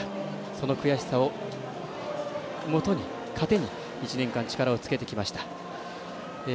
その悔しさをもとに、糧に一年間、力をつけてきました。